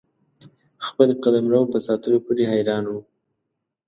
خپل قلمرو په ساتلو پوري حیران وو.